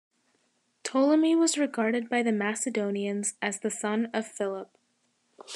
Ptolemy was regarded by the Macedonians as the son of Philip.